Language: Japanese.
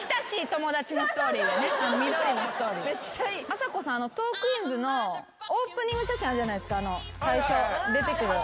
あさこさん『トークィーンズ』のオープニング写真あるじゃないですか最初出てくる。